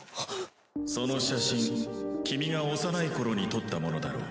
その写真君が幼い頃に撮ったものだろう。